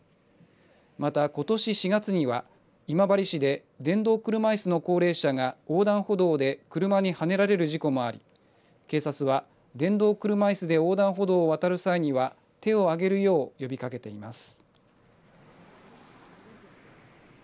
また、ことし４月には今治市で電動車いすの高齢者が横断歩道で車にはねられる事故もあり警察は電動車いすで横断歩道を渡る際には手を上げるよう呼びかけています。